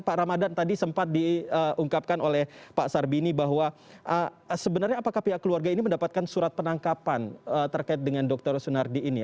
pak ramadhan tadi sempat diungkapkan oleh pak sarbini bahwa sebenarnya apakah pihak keluarga ini mendapatkan surat penangkapan terkait dengan dr sunardi ini